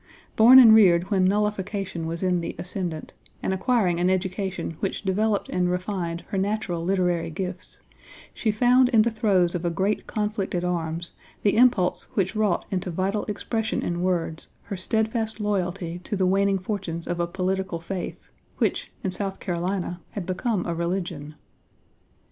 Born and reared when Nullification was in the ascendant, and acquiring an education which developed and refined her natural literary gifts, she found in the throes of a great conflict at arms the impulse which wrought into vital expression in words her steadfast loyalty to the waning fortunes of a political faith, which, in South Carolina, had become a religion.